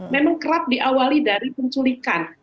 memang kerap diawali dari penculikan